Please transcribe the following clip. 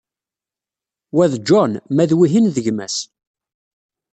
Wa d John, ma d wihin d gma-s.